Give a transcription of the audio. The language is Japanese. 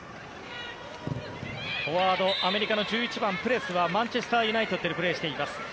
フォワード、アメリカの１１番、プレスはマンチェスター・ユナイテッドでプレーしています。